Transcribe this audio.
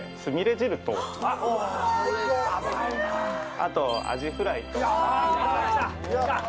あとアジフライと。